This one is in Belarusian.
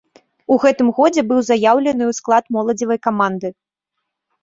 У гэтым годзе быў заяўлены ў склад моладзевай каманды.